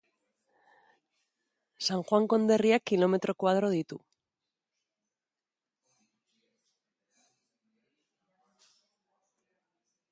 San Juan konderriak kilometro koadro ditu.